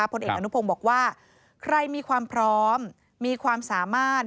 ผลเอกอนุพงศ์บอกว่าใครมีความพร้อมมีความสามารถ